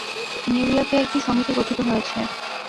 New ইয়র্কে একটি সমিতি গঠিত হয়েছে।